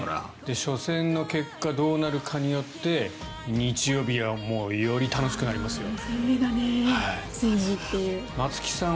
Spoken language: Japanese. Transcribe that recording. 初戦の結果どうなるかによって日曜日はより楽しくなりますよ。